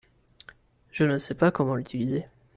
Je ne sais pas comment l'utiliser.